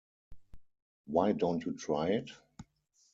Why don't you try it?